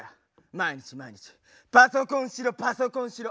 毎日毎日「パソコンしろパソコンしろ。